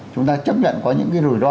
chúng ta chấp nhận có những cái rủi ro